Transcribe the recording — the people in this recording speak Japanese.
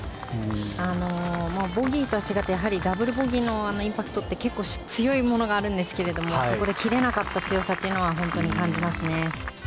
ボギーとは違ってダブルボギーのインパクトって結構強いものがあるんですがそこで切れなかった強さというのは本当に感じますね。